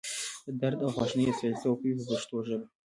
د درد او خواشینۍ استازیتوب کوي په پښتو ژبه.